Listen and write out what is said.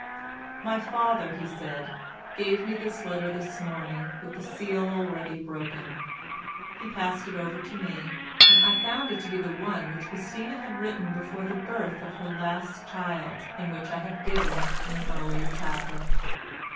"My father," he said, "gave me this letter this morning with the seal already broken." He passed it over to me, and I found it to be the one which Christina had written before the birth of her last child, and which I have given in an earlier chapter.